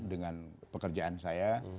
dengan pekerjaan saya